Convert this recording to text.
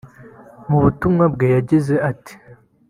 Mu butumwa bwe yagize ati